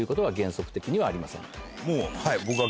もうはい。